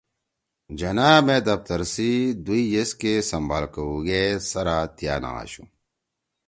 جناح مے دفتر سی دوئی یِسکے سمبال کؤ گےسَرا تِیا نہ آشُو